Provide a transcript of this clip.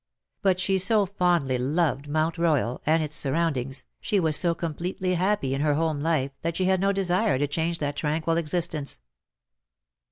But she so fondly loved Mount Royal and its surroundings, she was so completely happy in her home life, that she had no desire to change that tranquil existence.